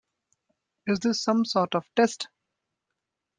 Is this some sort of test?